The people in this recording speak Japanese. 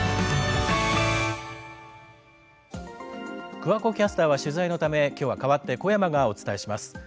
桑子キャスターは取材のため今日は代わって小山がお伝えします。